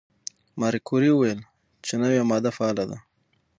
ماري کوري وویل چې نوې ماده فعاله ده.